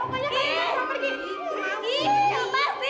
pokoknya kalian jangan pergi